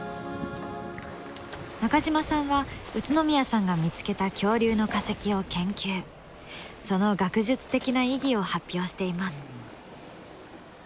中島さんは宇都宮さんが見つけた恐竜の化石を研究その学術的な意義を発表しています。